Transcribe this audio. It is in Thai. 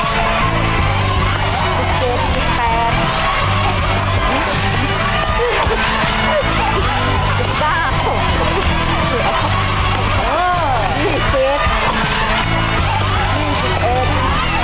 หัวเข้าเร็วเร็วเร็ว